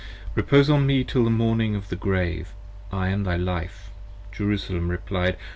p. 62 REPOSE on me till the morning of the Grave. I am thy life. Jerusalem replied.